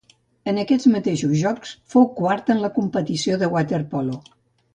En aquests mateixos Jocs fou quart en la competició de waterpolo.